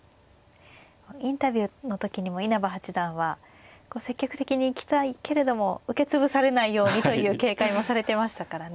インタビューの時にも稲葉八段は積極的に行きたいけれども受け潰されないようにという警戒もされてましたからね。